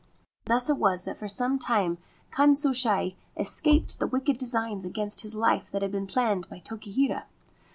Thus it was that for some time Kanshusai escaped the wicked designs against his life that had been planned by Tokihira.